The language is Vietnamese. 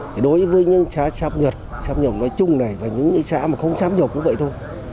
thì đối với những xã sắp nhập sắp nhập nói chung này và những xã mà không sắp nhập cũng vậy thôi